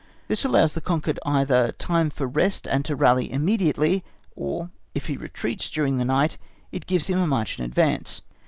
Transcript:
This allows the conquered either time for rest and to rally immediately, or, if he retreats during the night it gives him a march in advance.